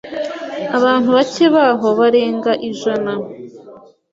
Abantu bake babaho barenga ijana. .